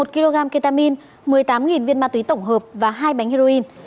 một kg ketamin một mươi tám viên ma túy tổng hợp và hai bánh heroin